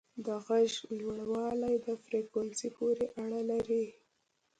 د غږ لوړوالی د فریکونسي پورې اړه لري.